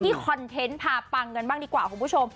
คอนเทนต์พาปังกันบ้างดีกว่าคุณผู้ชม